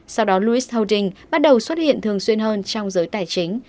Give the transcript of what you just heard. sau đó lewis holdings bắt đầu xuất hiện thường xuyên hơn trong giới tài chính